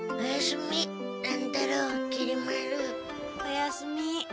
おやすみ。